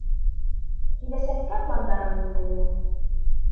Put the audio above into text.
Киләсәккә пландарым ниндәйме?